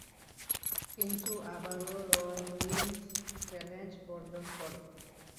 কিন্তু আবারো Rollins challenge বর্জন করে।